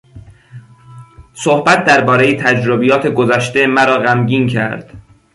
صحبت دربارهی تجربیات گذشته مرا غمگین کرد.